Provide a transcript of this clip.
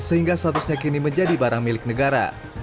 sehingga statusnya kini menjadi barang milik negara